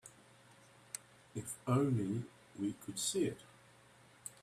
If only we could see it.